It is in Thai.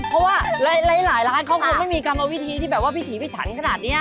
เพราะว่าหลายร้านเขาไม่มีกรรมวิธีที่วิถันขนาดนี้